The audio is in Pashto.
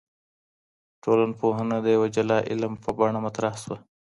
ټولنپوهنه د يو جلا علم په بڼه مطرح سوه.